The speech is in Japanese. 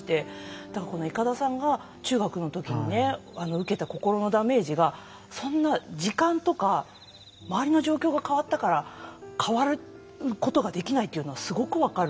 だからこのいかださんが中学の時にね受けた心のダメージがそんな時間とか周りの状況が変わったから変わることができないというのはすごく分かるっていう。